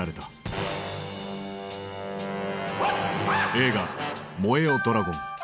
映画「燃えよドラゴン」。